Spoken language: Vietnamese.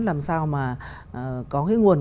làm sao mà có cái nguồn